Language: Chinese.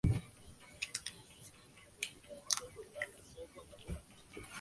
时昌被质疑利用旧式楼宇的消防条例宽松而豁免安装防火系统。